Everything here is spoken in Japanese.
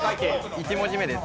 １文字目です。